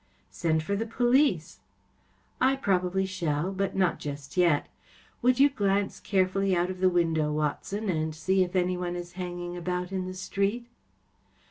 ‚ÄĚ " Send for the police.‚ÄĚ " I probably shall. But not just yet. Would you glance carefully out of the window, Watson, and see if anyone is hanging about in the street